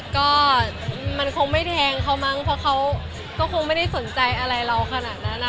ก็มันคงไม่แทงเขามั้งเพราะเขาก็คงไม่ได้สนใจอะไรเราขนาดนั้น